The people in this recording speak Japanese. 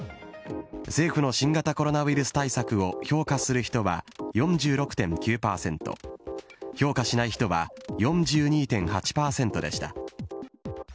政府の新型コロナウイルス対策を評価する人は４６．９％、評価しない人は４２．８％でした。